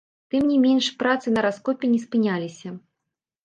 Тым не менш працы на раскопе не спыняліся.